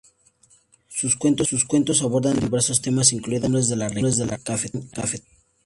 Sus cuentos abordan diversos temas, incluidas las costumbres de la región cafetera.